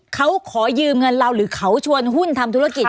เขาขอยืมเงินเราหรือเขาชวนหุ้นทำธุรกิจ